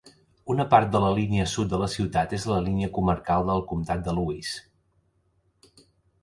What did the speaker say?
Una part de la línia sud de la ciutat és la línia comarcal del comtat de Lewis.